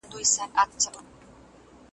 خو ګراني!